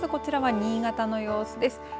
まずこちらは新潟の様子です。